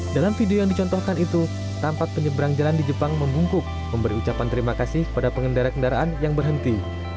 dalam video yang dicontohkan itu tampak penyeberang jalan di jepang membungkuk memberi ucapan terima kasih kepada pengendara kendaraan yang berhenti